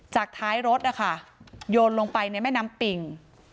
ท้ายรถนะคะโยนลงไปในแม่น้ำปิ่ง